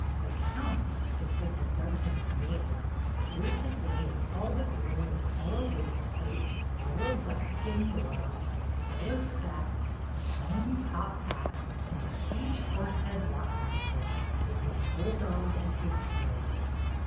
''The Count," as they had dubbed him at Yale, appeared to day in all the glory of yellow waistcoat, yellow buckskin gloves, yel low spats, shining top hat, and a huge horse head walking stick, with his bulldog at his heels.